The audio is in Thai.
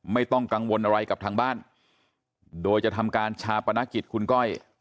ไม่ต้องกังวลอะไรกับทางบ้านโดยจะทำการชาปนกิจคุณก้อย